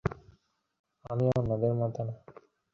মা, তুমি কিন্তু রাগ কোরো না।